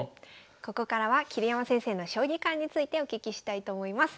ここからは桐山先生の将棋観についてお聞きしたいと思います。